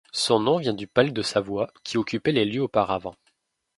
Son nom vient du palais de Savoie, qui occupait les lieux auparavant.